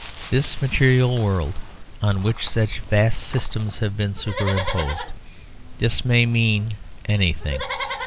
This material world on which such vast systems have been superimposed this may mean anything.